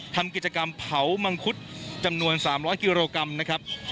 ทำกิจกรรมเผามังคุดจำนวน๓๐๐กิโลกรัมนะครับ